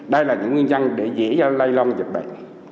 đây là những nguyên nhân để dễ lây lan dịch bệnh